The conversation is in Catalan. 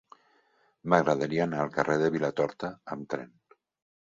M'agradaria anar al carrer de Vilatorta amb tren.